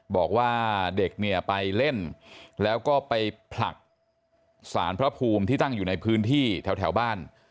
บอกว่าเด็กเนี่ยไปเล่นแล้วก็ไปผลักสารพระภูมิที่ตั้งอยู่ในพื้นที่แถวบ้าน